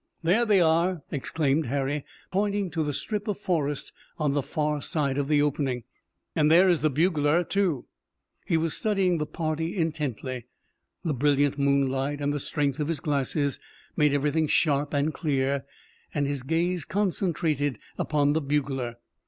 "There they are!" exclaimed Harry, pointing to the strip of forest on the far side of the opening, "and there is the bugler, too." He was studying the party intently. The brilliant moonlight, and the strength of his glasses made everything sharp and clear and his gaze concentrated upon the bugler.